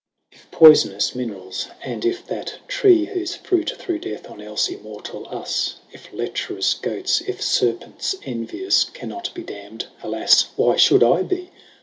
IF poyfonous mineralls, and if that tree, Whofe fruit threw death on elfe immortall us, If lecherous goats, if ferpents envious Cannot be damn'd; Alas; why fhould I bee?